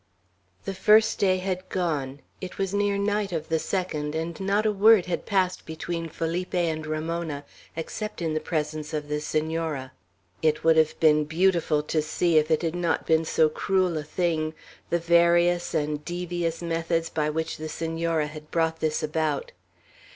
XIV THE first day had gone, it was near night of the second, and not a word had passed between Felipe and Ramona, except in the presence of the Senora. It would have been beautiful to see, if it had not been so cruel a thing, the various and devious methods by which the Senora had brought this about.